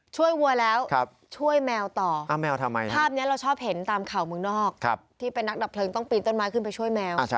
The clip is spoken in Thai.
วัวแล้วช่วยแมวต่อแมวทำไมภาพนี้เราชอบเห็นตามข่าวเมืองนอกที่เป็นนักดับเพลิงต้องปีนต้นไม้ขึ้นไปช่วยแมว